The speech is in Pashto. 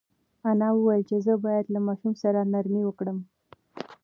انا وویل چې زه باید له ماشوم سره نرمي وکړم.